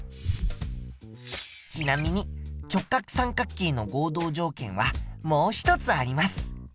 ちなみに直角三角形の合同条件はもう一つあります。